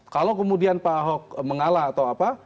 kalau kemudian pak ahok mengalah atau apa